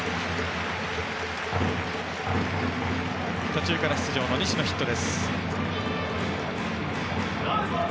途中から出場の西野がヒット。